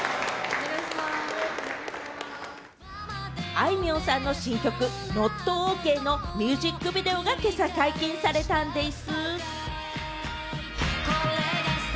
あいみょんさんの新曲『ノット・オーケー』のミュージックビデオが今朝、解禁されたんでぃす。